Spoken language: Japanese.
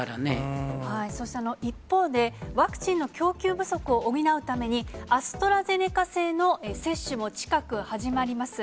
そして、一方で、ワクチンの供給不足を補うために、アストラゼネカ製の接種も近く始まります。